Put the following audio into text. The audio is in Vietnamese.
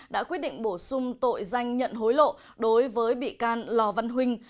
đã quyết định bổ sung tội danh nhận hối lộ đối với bị can lò văn huynh